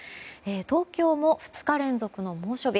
東京も２日連続の猛暑日。